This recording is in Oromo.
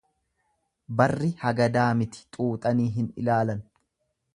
Barri hagadaa miti xuuxanii hin ilaalan.